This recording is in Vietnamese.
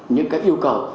những cái yêu cầu